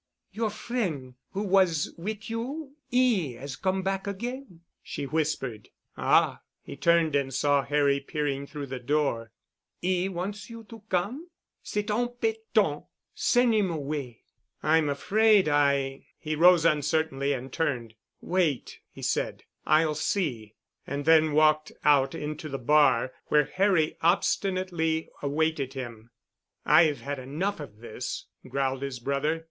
"Your frien' who was wit' you—'e 'as come back again," she whispered. "Ah——" he turned and saw Harry peering through the door. "'E wants you to come? C'est embêtant! Sen' 'im away." "I'm afraid I——" He rose uncertainly and turned. "Wait," he said, "I'll see." And then walked out into the bar where Harry obstinately awaited him. "I've had enough of this," growled his brother.